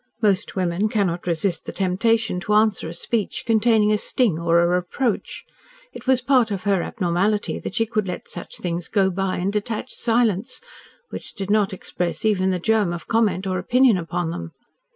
Most women cannot resist the temptation to answer a speech containing a sting or a reproach. It was part of her abnormality that she could let such things go by in a detached silence, which did not express even the germ of comment or opinion upon them.